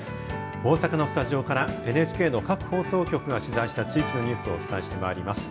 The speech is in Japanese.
大阪のスタジオからＮＨＫの各放送局が取材した地域のニュースをお伝えしてまいります。